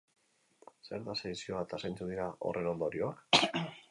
Zer da sedizioa eta zeintzuk dira horren ondorioak?